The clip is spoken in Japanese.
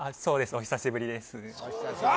お久しぶりですさあ